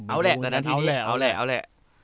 เอาแหละเอาแหละเอาแหละ